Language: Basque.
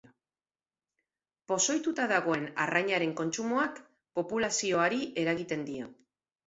Pozoituta dagoen arrainaren kontsumoak populazioari eragiten dio.